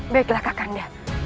baiklah kak kanda